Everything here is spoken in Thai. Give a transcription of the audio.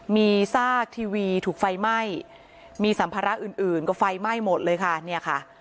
มีซากทีวีถูกไฟไหม้มีสัมภาระอื่นอื่นก็ไฟไหม้หมดเลยค่ะเนี่ยค่ะ